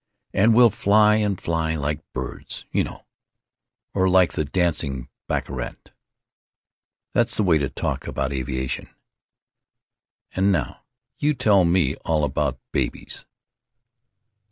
And we'll fly and fly——Like birds. You know. Or like the Dancing Bacchante.... That's the way to talk about aviation.... And now you tell me all about babies!"